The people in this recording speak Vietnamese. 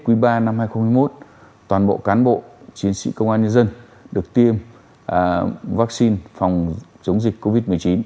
quý ba năm hai nghìn hai mươi một toàn bộ cán bộ chiến sĩ công an nhân dân được tiêm vaccine phòng chống dịch covid một mươi chín